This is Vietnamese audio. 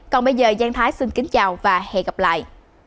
còn bây giờ giang thái xin kính chào và hẹn gặp lại